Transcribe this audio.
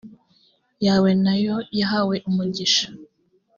yawe na yo yahawe umugisha